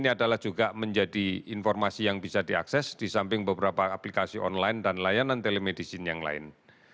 ini adalah juga menjadi informasi yang bisa diakses di samping beberapa aplikasi online dan layanan telemedicine yang lain